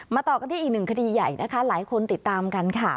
ต่อกันที่อีกหนึ่งคดีใหญ่นะคะหลายคนติดตามกันค่ะ